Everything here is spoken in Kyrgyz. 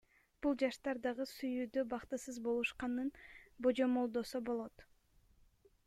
Бул жаштар дагы сүйүүдө бактысыз болушканын божомолдосо болот.